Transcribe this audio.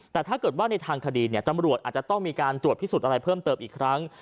แต่ถ้าเกิดว่าในทางคดีเนี่ยตำรวจอาจจะต้องมีการตรวจพิสูจน์อะไรเพิ่มเติมอีกครั้ง